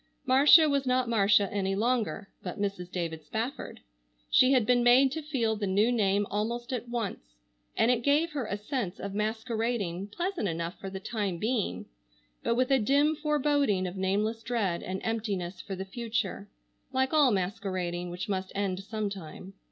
Marcia was not Marcia any longer, but Mrs. David Spafford. She had been made to feel the new name almost at once, and it gave her a sense of masquerading pleasant enough for the time being, but with a dim foreboding of nameless dread and emptiness for the future, like all masquerading which must end sometime.